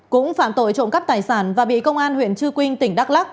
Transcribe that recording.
cũng phạm tội trộm cắp tài sản và bị công an huyện trư quynh tỉnh đắk lắc